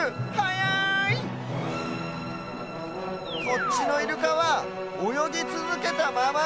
こっちのイルカはおよぎつづけたまま。